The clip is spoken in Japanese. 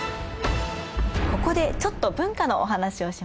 ここでちょっと文化のお話をしましょう。